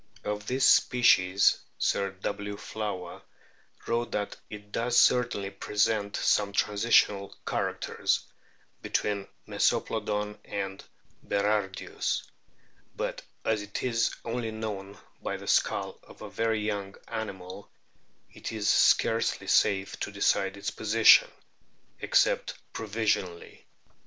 Of this species Sir W. Flower wrote that "it does certainly present some transitional characters (between Mesoplodoii and Berardius] ; but as it is only known by the skull of a very young animal it is scarcely safe to decide its position, except provisionally."